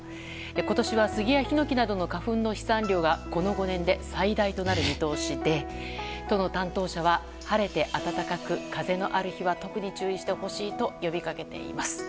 今年はスギやヒノキなどの花粉の飛散量がこの５年で最大となる見通しで都の担当者は晴れて暖かく風のある日は特に注意してほしいと呼びかけています。